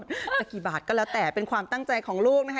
จะกี่บาทก็แล้วแต่เป็นความตั้งใจของลูกนะคะ